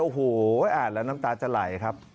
โอ้โฮละน้ำตาจะไหลครับ